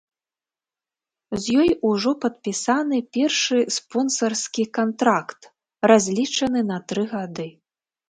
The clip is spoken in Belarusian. З ёй ужо падпісаны першы спонсарскі кантракт, разлічаны на тры гады.